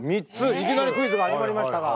いきなりクイズが始まりましたが。